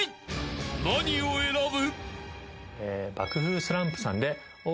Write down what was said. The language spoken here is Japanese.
［何を選ぶ？］